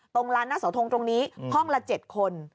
ร้านหน้าเสาทงตรงนี้ห้องละ๗คน